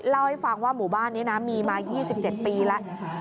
เล่าให้ฟังว่าหมู่บ้านนี้นะมีมา๒๗ปีแล้ว